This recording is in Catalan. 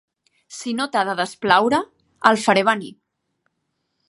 Si no t'ha de desplaure, el faré venir.